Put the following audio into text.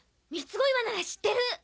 みつご岩なら知ってる！